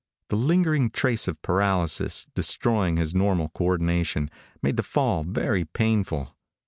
The lingering trace of paralysis, destroying his normal co ordination, made the fall very painful.